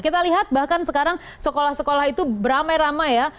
kita lihat bahkan sekarang sekolah sekolah itu beramai ramai ya